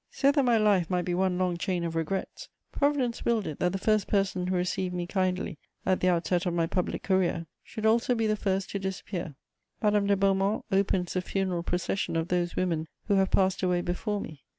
So that my life might be one long chain of regrets, Providence willed it that the first person who received me kindly at the outset of my public career should also be the first to disappear. Madame de Beaumont opens the funeral procession of those women who have passed away before me.